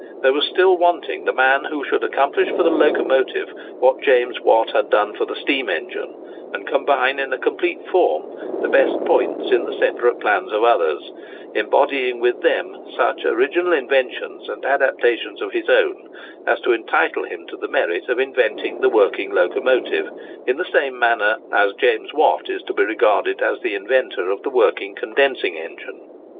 There was still wanting the man who should accomplish for the locomotive what James Watt had done for the steam engine, and combine in a complete form the best points in the separate plans of others, embodying with them such original inventions and adaptations of his own as to entitle him to the merit of inventing the working locomotive, in the same manner as James Watt is to be regarded as the inventor of the working condensing engine.